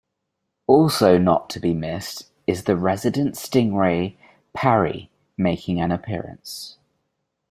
Also not to be missed, is the resident stingray Parrie making an appearance.